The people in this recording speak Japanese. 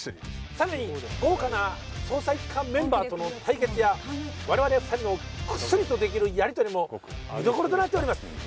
さらに豪華な捜査一課メンバーとの対決や我々２人のクスリとできるやりとりも見どころとなっております